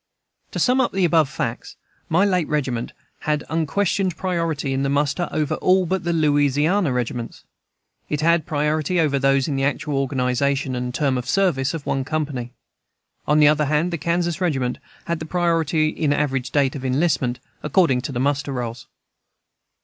To sum up the above facts: my late regiment had unquestioned priority in muster over all but the Louisiana regiments. It had priority over those in the actual organization and term of service of one company. On the other hand, the Kansas regiment had the priority in average date of enlistment, according to the muster rolls.